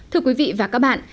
thưa quý vị và các bạn